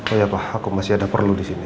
oh iya pa aku masih ada perlu disini